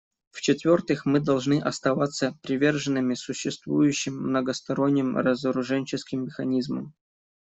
В-четвертых, мы должны оставаться приверженными существующим многосторонним разоруженческим механизмам.